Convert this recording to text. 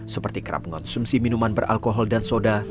seperti kerap mengonsumsi minuman beralkohol dan soda